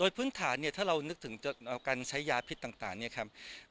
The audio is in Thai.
พื้นฐานเนี่ยถ้าเรานึกถึงการใช้ยาพิษต่างเนี่ยครับ